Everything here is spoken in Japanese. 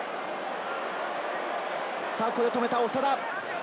ここで止めた長田。